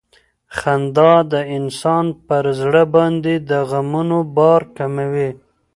خندا د انسان پر زړه باندې د غمونو بار کموي.